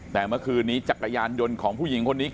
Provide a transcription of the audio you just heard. แต่เมื่อคืนนี้จักรยานยนต์ของผู้หญิงคนนี้